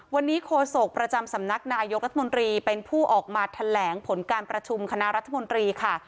วันนี้โฆษกประจำสำนักนายกรัฐมนตรีเป็นผู้ออกมาแถลงผลการประชุมคณะรัฐมนตรีค่ะ